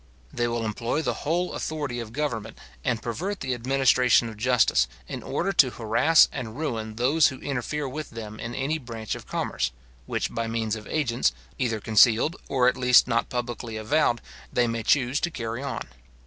They will employ the whole authority of government, and pervert the administration of Justice, in order to harass and ruin those who interfere with them in any branch of commerce, which by means of agents, either concealed, or at least not publicly avowed, they may choose to carry on.